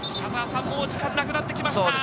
もう時間がなくなってきました。